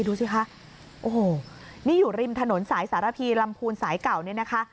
ดูสิคะโอ้โหนี่อยู่ริมถนนสายสารพีลำพูนสายเก่าเนี่ยนะคะ